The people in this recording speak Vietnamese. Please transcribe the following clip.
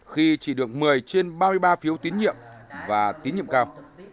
khi chỉ được một mươi trên ba mươi ba phiếu tiến nhiệm và tiến nhiệm cao